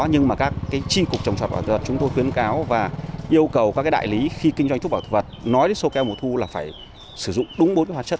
nhưng mà các chiên cục trồng trọt bảo vệ thực vật chúng tôi khuyến cáo và yêu cầu các đại lý khi kinh doanh thuốc bảo vệ thực vật nói đến sâu keo mùa thu là phải sử dụng đúng bốn cái hoạt chất